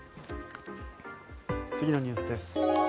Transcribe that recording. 次のニュースです。